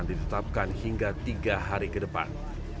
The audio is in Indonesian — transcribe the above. ditetapkan hingga tiga hari ke depan